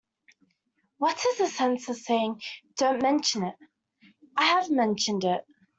What's the sense of saying, 'Don't mention it'? I have mentioned it.